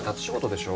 でしょ？